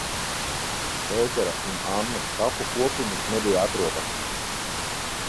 Pētera un Annas kapu kopiņas nebija atrodamas.